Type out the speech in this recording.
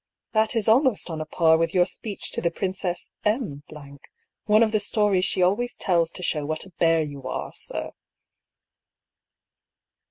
" That is almost on a par with your speech to the Princess M , one of the stories she always tells to show what a bear you are, sir!"